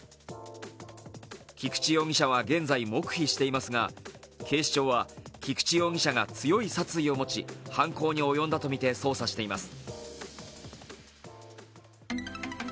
菊池容疑者は現在、黙秘していますが警視庁は菊池容疑者が強い殺意を持ち犯行に及んだとみて捜査しています。